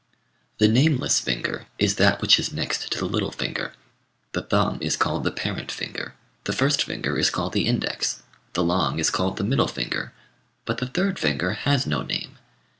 The nameless finger is that which is next to the little finger. The thumb is called the parent finger; the first finger is called the index; the long is called the middle finger; but the third finger has no name.